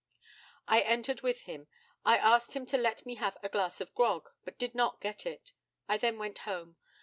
I entered with him. I asked him to let me have a glass of grog, but did not get it. I then went home.